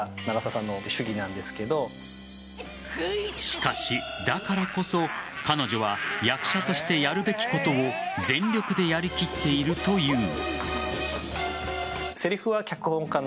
しかし、だからこそ彼女は役者としてやるべきことを全力でやりきっているという。